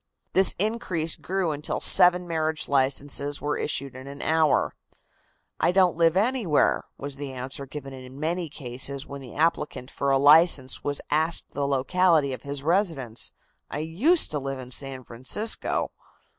This increase grew until seven marriage licenses were issued in an hour. "I don't live anywhere," was the answer given in many cases when the applicant for a license was asked the locality of his residence. "I used to live in San Francisco."